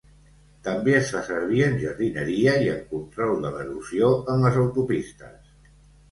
També es fa servir en jardineria i en control de l’erosió en les autopistes.